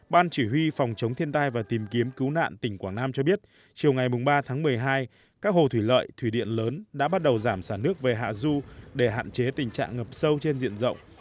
ban chỉ huy phòng chống thiên tai và tìm kiếm cứu nạn tỉnh quảng nam cho biết chiều ngày ba tháng một mươi hai các hồ thủy lợi thủy điện lớn đã bắt đầu giảm sản nước về hạ du để hạn chế tình trạng ngập sâu trên diện rộng